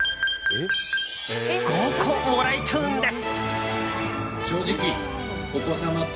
５個もらえちゃうんです！